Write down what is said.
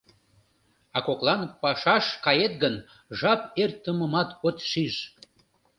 А коклан пашаш кает гын, жап эртымымат от шиж.